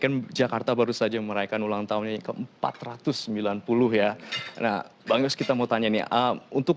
kan jakarta baru saja meraihkan ulang tahunnya ke empat ratus sembilan puluh ya nah bang yos kita mau tanya nih untuk